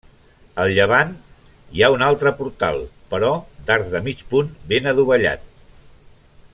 Al llevant hi ha un altre portal, però d'arc de mig punt ben adovellat.